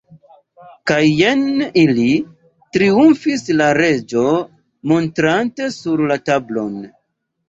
"Kaj jen ili," triumfis la Reĝo, montrante sur la tablon.